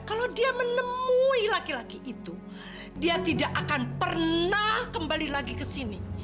kalau dia menemui laki laki itu dia tidak akan pernah kembali lagi ke sini